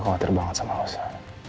gue khawatir banget sama elsa